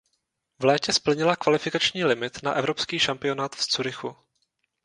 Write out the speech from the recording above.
V létě splnila kvalifikační limit na evropský šampionát v Curychu.